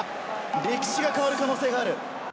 歴史が変わる可能性がある。